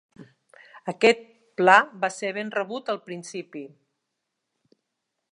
Aquest pla va ser ben rebut al principi.